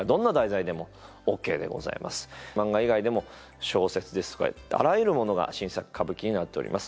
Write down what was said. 漫画以外でも小説ですとかあらゆるものが新作歌舞伎になっております。